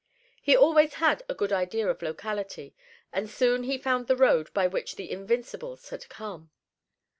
He always had a good idea of locality, and soon he found the road by which the Invincibles had come.